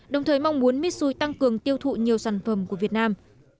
đồng thời mong muốn mitsui tăng cường tiêu thụ nhiều sản phẩm của việt nam